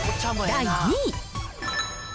第２位。